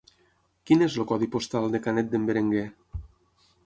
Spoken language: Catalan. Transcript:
Quin és el codi postal de Canet d'en Berenguer?